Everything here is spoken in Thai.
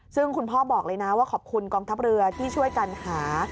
ซึ่งคุณพ่อบอกเลยนะว่าขอบคุณกองทัพเรือที่ช่วยกันหา